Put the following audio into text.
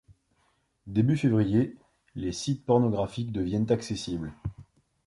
Début février, les sites pornographiques deviennent accessibles.